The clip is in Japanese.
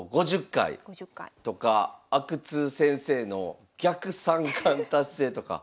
５０回とか阿久津先生の逆三冠達成とか。